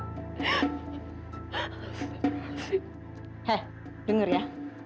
hei denger ya